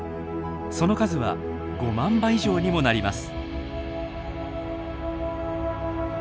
その数は５万羽以上にもなります。